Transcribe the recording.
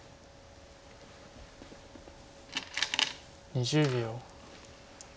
２０秒。